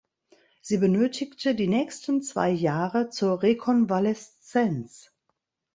Sie benötigte die nächsten zwei Jahre zur Rekonvaleszenz.